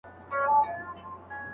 د خاوند کومي خبري منل واجب دي؟